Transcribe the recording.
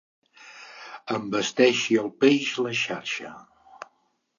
Envesteixi el peix la xarxa.